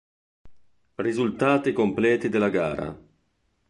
Risultati completi della gara.